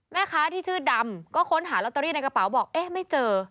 แม่ค้าที่ชื่อดำก็ค้นหาลอตเตอรี่ในกระเป๋าบอกเอ๊ะไม่เจอ